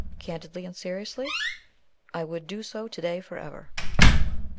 "Candidly and seriously, I would do so to day forever."